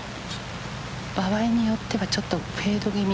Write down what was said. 場合によってはちょっとフェード気味。